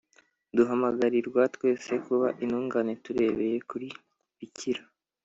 duhamagarirwa twese kuba intungane turebeye kuri bikira